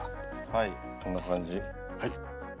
はいこんな感じ。